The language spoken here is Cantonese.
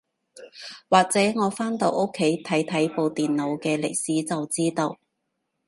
或者我返到屋企睇睇部電腦嘅歷史就知道